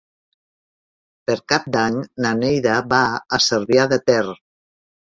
Per Cap d'Any na Neida va a Cervià de Ter.